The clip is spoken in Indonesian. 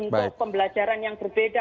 bentuk pembelajaran yang berbeda